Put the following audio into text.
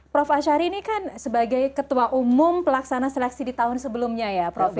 prof ashari ini kan sebagai ketua umum pelaksana seleksi di tahun sebelumnya ya prof ya